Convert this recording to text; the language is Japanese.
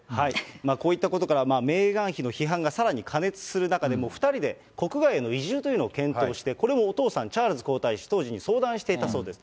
こういったことから、メーガン妃の批判がさらに過熱する中で、もう２人で国外への移住というのを検討して、これをお父さん、チャールズ皇太子、当時に、相談していたそうです。